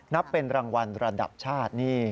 นับเป็นรางวัลระดับชาตินี่